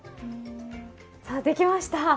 さあできました！